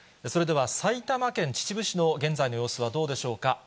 それでは埼玉県秩父市の現在の様子はどうでしょうか。